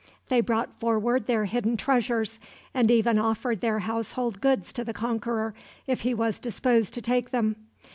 They brought forward their hidden treasures, and even offered their household goods to the conqueror if he was disposed to take them.